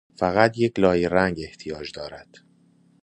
فقط یک لایه رنگ احتیاج دارد.